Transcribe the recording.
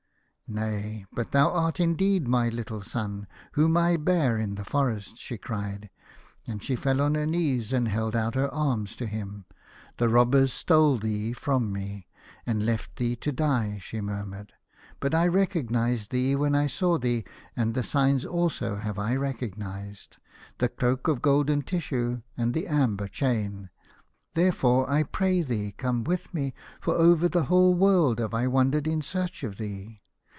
"Nay, but thou art indeed my little son, whom I bare in the forest," she cried, and she fell on her knees, and held out her arms to him. " The robbers stole thee from me, and left thee to die," she murmured, " but I re cognized thee when I saw thee, and the signs also have I recognized, the cloak of golden tissue and the amber chain. Therefore I pray thee come with me, for over the whole world have I wandered in search of thee.